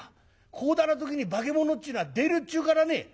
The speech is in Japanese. こうだな時に化物っちゅうのは出るっちゅうからね」。